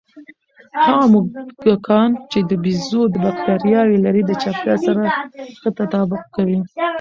هغه موږکان چې د بیزو بکتریاوې لري، د چاپېریال سره ښه تطابق کوي.